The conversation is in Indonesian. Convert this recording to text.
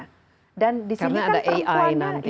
karena ada ai nanti